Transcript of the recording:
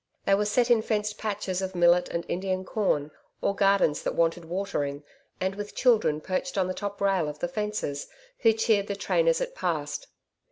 They were set in fenced patches of millet and Indian corn or gardens that wanted watering and with children perched on the top rail of the fences who cheered the train as it passed.